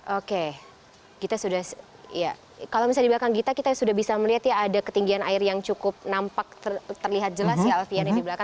oke kita sudah ya kalau misalnya di belakang gita kita sudah bisa melihat ya ada ketinggian air yang cukup nampak terlihat jelas ya alfian yang di belakang